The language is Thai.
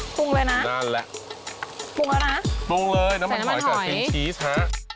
ปรุงเลยนะพรุงแล้วนะแซมน้ำหน่อยค่ะซิมชีสฮะ